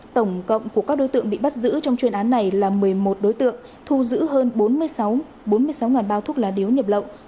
tổng cộng của các đối tượng bị bắt giữ trong chuyên án này là một mươi một đối tượng thu giữ hơn bốn mươi sáu bao thuốc lá điếu nhập lậu